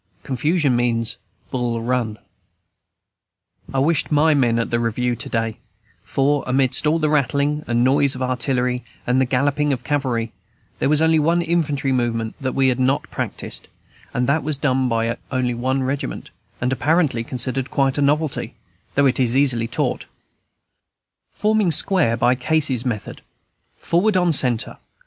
Confusion means Bull Run. I wished my men at the review to day; for, amidst all the rattling and noise of artillery and the galloping of cavalry, there was only one infantry movement that we have not practised, and that was done by only one regiment, and apparently considered quite a novelty, though it is easily taught, forming square by Casey's method: forward on centre.